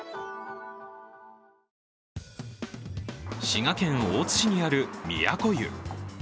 滋賀県大津市にある都湯。